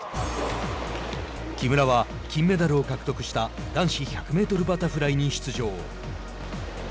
木村は金メダルを獲得した男子１００メートルバタフライに出場。